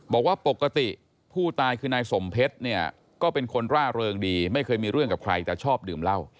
บอกว่าปกติผู้ตายคือนายสมเพชรเนี่ยก็เป็นคนร่าเริงดีไม่เคยมีเรื่องกับใครแต่ชอบดื่มเหล้า